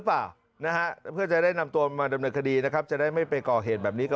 แต่ผมเห็นระยะมันไกลแต่ว่าปกติไฟเลี้ยว